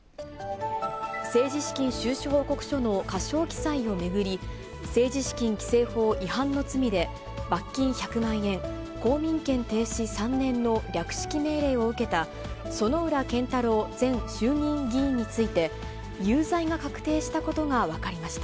政治資金収支報告書の過少記載を巡り、政治資金規正法違反の罪で罰金１００万円、公民権停止３年の略式命令を受けた、薗浦健太郎前衆議院議員について、有罪が確定したことが分かりました。